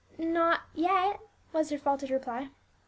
"Not yet," was her faltered reply.